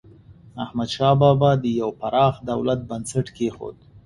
احمدشاه بابا د یو پراخ دولت بنسټ کېښود.